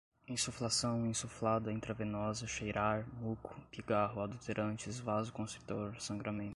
insuflação, insuflada, intravenosa, cheirar, muco, pigarro, adulterantes, vasoconstritor, sangramentos